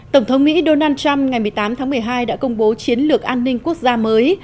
tổng thống mỹ donald trump ngày một mươi tám tháng một mươi hai đã công bố chiến lược an ninh quốc gia mới